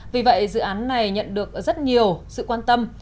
vì vậy dự án này nhận được rất nhiều sự quan tâm